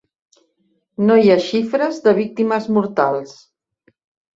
No hi ha xifres de víctimes mortals.